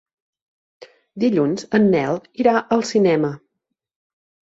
Dilluns en Nel irà al cinema.